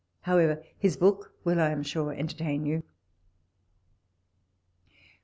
However, his book will I am sure entertain you.